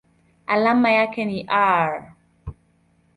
Alama yake ni Ar.